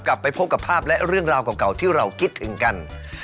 กลับไปพบกับภาพและเรื่องราวเก่าที่เราคิดถึงกัน